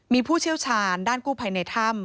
มีผู้เชี่ยวชาญด้านกู้ภัยในถ้ำ